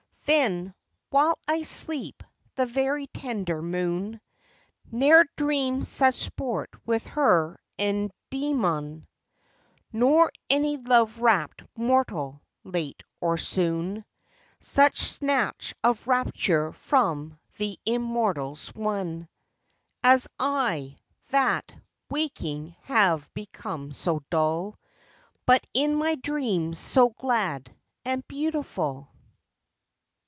Then, while I sleep, the very tender Moon Ne'er dreamed such sport with her En dymion, Nor any love rapt mortal, late or soon, Such snatch of rapture from the Im mortals won As I, that, waking, have become so dull, But in my dreams, so glad and beautiful.